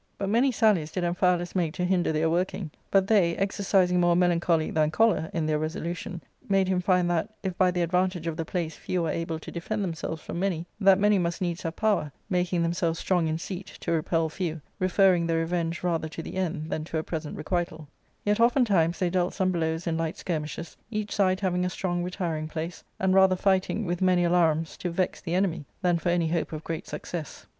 But many salHes did ARCADIA.^Book IIL 287 Amphialus make to hinder their working ; but they, e^cercising more melancholy than choler in their resolution, made him find that, if by the advantage of the place few are able to defend themselves from many, that many must needs have power, making themselves strong in seat, to repel few, referring the revenge rather to the end than to a present requital Yet oftentimes they dealt some blows in light skirmishes, each side having a strong retiring place, and rather fighting, with many alarums, to vex the enemy, than for any hope of great success.